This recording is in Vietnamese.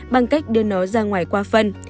bằng cách đưa nó ra ngoài qua phân